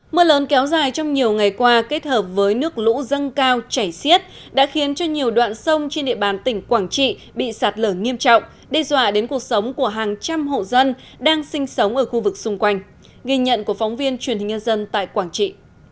mưa lớn kéo dài trong nhiều ngày qua kết hợp với nước lũ dâng cao chảy xiết đã khiến cho nhiều đoạn sông trên địa bàn tỉnh quảng trị bị sạt lở nghiêm trọng đe dọa đến cuộc sống của hàng trăm hộ dân đang sinh sống ở khu vực xung quanh ghi nhận của phóng viên truyền hình nhân dân tại quảng trị